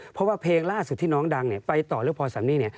เพราะว่าเพลงล่าสุดที่น้องดังไปต่อเรื่องพรสันนี่